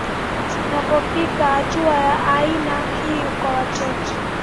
napofikia hatua ya aina hii kwa watoto